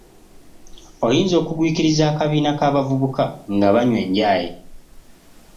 Oyinza okugwikiriza akabiina k'abavubuka nga banywa enjaaye.